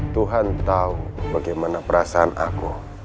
tuhan tahu bagaimana perasaan aku